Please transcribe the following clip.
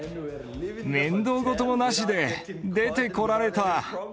面倒ごともなしで、出てこられた。